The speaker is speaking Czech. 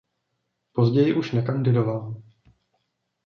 Později už nekandidoval.